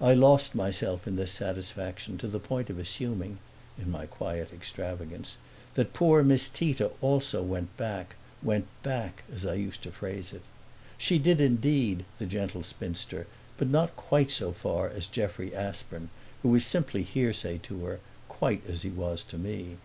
I lost myself in this satisfaction to the point of assuming in my quiet extravagance that poor Miss Tita also went back, went back, as I used to phrase it. She did indeed, the gentle spinster, but not quite so far as Jeffrey Aspern, who was simply hearsay to her, quite as he was to me.